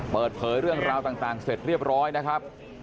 เปิดเผยเรื่องราวต่างเสร็จเรียบร้อยนะครับ